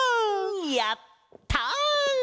やった！